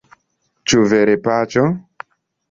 Ĉu vere, Paĉo?